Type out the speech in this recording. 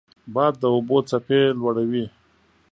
باد د اوبو څپې لوړوي